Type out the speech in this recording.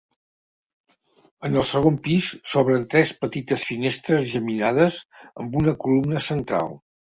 En el segon pis s'obren tres petites finestres geminades, amb una columna central.